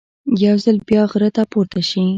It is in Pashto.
یو ځل بیا غره ته پورته شي.